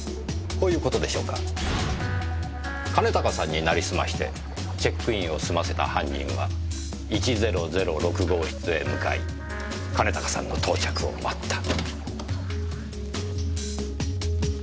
兼高さんになりすましてチェックインを済ませた犯人は１００６号室へ向かい兼高さんの到着を待った。